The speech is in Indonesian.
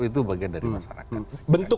itu bagian dari masyarakat